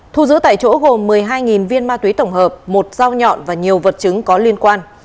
thu giữ tại chỗ gồm một mươi hai viên ma túy tổng hợp một dao nhọn và nhiều vật chứng có liên quan